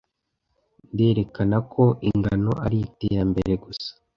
Nderekana ko ingano ari iterambere gusa.